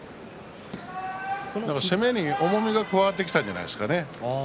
攻めに重みが加わってきたんじゃないですかね。